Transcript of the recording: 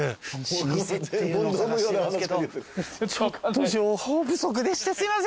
ちょっと情報不足でしてすいませんこっちも。